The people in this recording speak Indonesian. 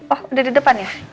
oh udah di depan ya